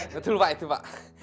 betul pak itu pak